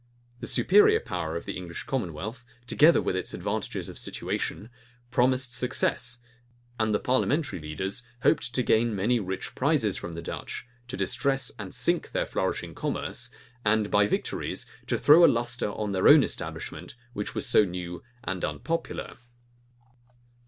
The superior power of the English commonwealth, together with its advantages of situation, promised success; and the parliamentary leaders hoped to gain many rich prizes from the Dutch, to distress and sink their flourishing commerce, and by victories to throw a lustre on their own establishment, which was so new and unpopular.